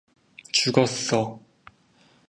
죽었어!